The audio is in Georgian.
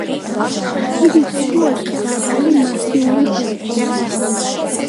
ხიდის შუაში დაბალი, მასიური ბურჯია.